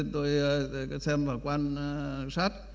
tôi xem vào quan sát